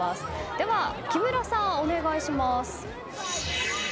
では木村さん、お願いします。